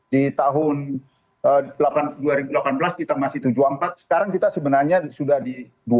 di tahun dua ribu delapan belas kita masih tujuh empat sekarang kita sebenarnya sudah di dua empat